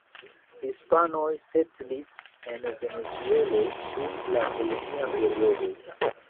Hispanoj setlis en Venezuelo dum la kolonia periodo.